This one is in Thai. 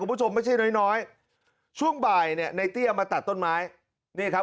คุณผู้ชมไม่ใช่น้อยน้อยช่วงบ่ายเนี่ยในเตี้ยมาตัดต้นไม้นี่ครับ